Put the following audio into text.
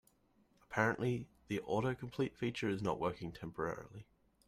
Apparently, the autocomplete feature is not working temporarily.